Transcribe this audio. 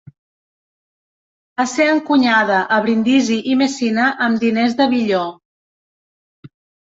Va ser encunyada a Brindisi i Messina amb diners de billó.